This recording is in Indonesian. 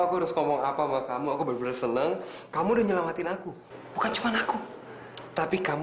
aku harus ngomong apa mau kamu aku bersenang kamu nyelamatin aku bukan cuma aku tapi kamu